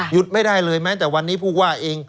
ไม่ได้เลยแม้แต่วันนี้ผู้ว่าเอง